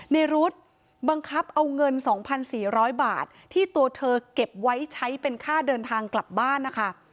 ในรุ๊ดบังคับเอาเงิน๒๔๐๐บาทที่ตัวเธอเก็บไว้ใช้เป็นค่าเดินทางกลับบ้านนะคะ